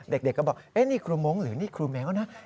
เด็กก็บอกนี่ครูมงค์หรือนี่ครูแมวนะ